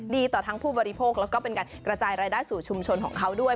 ต่อทั้งผู้บริโภคแล้วก็เป็นการกระจายรายได้สู่ชุมชนของเขาด้วย